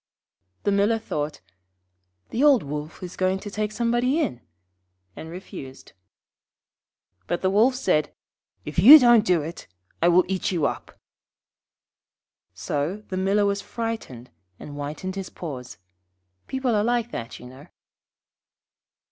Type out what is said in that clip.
The Miller thought, 'The old Wolf is going to take somebody in,' and refused. But the Wolf said, 'If you don't do it, I will eat you up.' So the Miller was frightened, and whitened his paws. People are like that, you know.